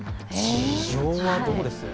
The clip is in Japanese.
事情はどうです？